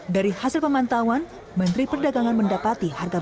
dari hasil pemantauan menteri perdagangan mendapati harga